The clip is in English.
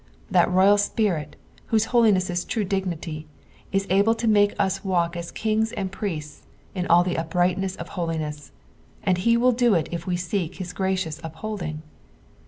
That rorai Spirit, whose holiness is true dignity, is able tn make us walk aa kings and prieats, in all the uprightness of holiness ; and he will do so if we seek his gracious upholding.